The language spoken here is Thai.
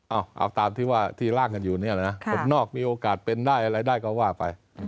เอาตามที่ว่าที่ร่างกันอยู่เนี่ยนะผมนอกมีโอกาสเป็นได้อะไรได้ก็ว่าไป